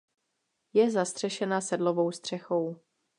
Je zastřešena sedlovou střechou.